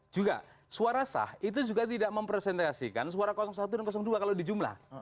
juga suara sah itu juga tidak mempresentasikan suara satu dan dua kalau di jumlah